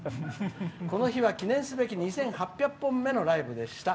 この日は記念すべき２８００本目のライブでした。